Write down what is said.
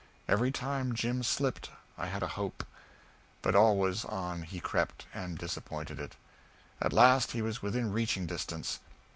Every time Jim slipped I had a hope; but always on he crept and disappointed it. At last he was within reaching distance.